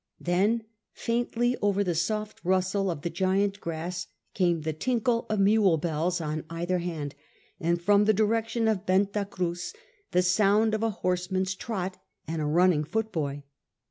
Then faintly over the soft rustle of the giant grass came the tinkle of mule bells on either hand, and from the direction of Yenta Cruz the soimd of a horseman's trot and a running foot boy.